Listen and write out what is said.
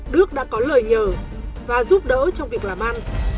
đức đã có lời nhờ và giúp đỡ trong việc làm ăn